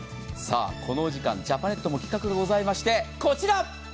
このお時間、ジャパネットも企画がございましてこちら。